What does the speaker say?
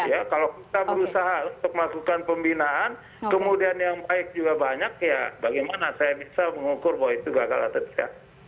ya kalau kita berusaha untuk melakukan pembinaan kemudian yang baik juga banyak ya bagaimana saya bisa mengukur bahwa itu gagal atau tidak